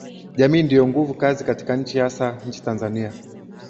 Jamii ndiyo nguvu kazi katika nchi hasa nchini Tanzania